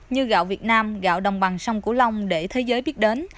như gạo việt nam gạo đồng bằng sông cửu long để thế giới biết đến